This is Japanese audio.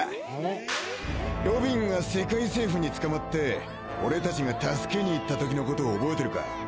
「ロビンが世界政府に捕まって俺たちが助けに行ったときのことを覚えてるか？」